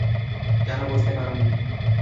কেন বুঝতে পারো নি?